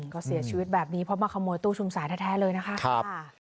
ก็เสียชีวิตแบบนี้เพราะมาขโมยตู้ชุมสายแท้เลยนะคะ